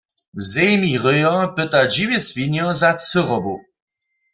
W zemi ryjo pyta dźiwje swinjo za cyrobu.